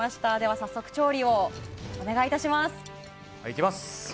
早速、調理をお願いします。